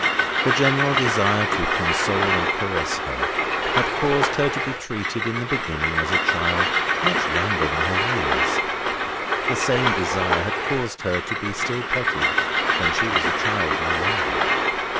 The general desire to console and caress her, had caused her to be treated in the beginning as a child much younger than her years; the same desire had caused her to be still petted when she was a child no longer.